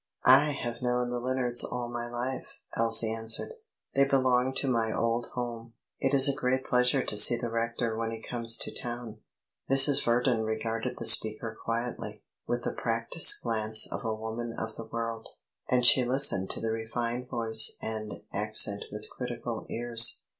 "I have known the Lennards all my life," Elsie answered. "They belong to my old home. It is a great pleasure to see the rector when he comes to town." Mrs. Verdon regarded the speaker quietly, with the practised glance of a woman of the world; and she listened to the refined voice and accent with critical ears.